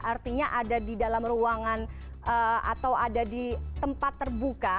artinya ada di dalam ruangan atau ada di tempat terbuka